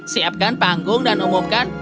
siapkan panggung dan umumkan